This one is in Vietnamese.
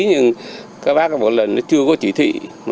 nhưng các bác một lần chưa có chỉ thị